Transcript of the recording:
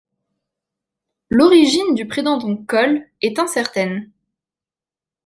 L’origine du prétendant Kol est incertaine.